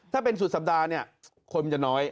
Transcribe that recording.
ถ้าเป็นสุดสัปดาห์เนี่ยคนมันจะน้อย